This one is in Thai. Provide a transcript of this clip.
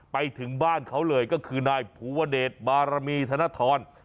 ไปถึงบ้านเขาเลยก็คือนายภูวเดชบารมีธนทร